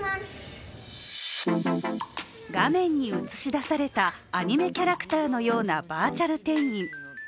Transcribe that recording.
画面に映し出されたアニメキャラクターのようなバーチャル店員。